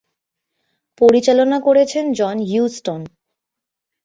পরিচালনা করেছেন জন হিউজটন।